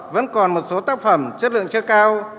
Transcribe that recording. vẫn còn một số tác phẩm chất lượng chưa cao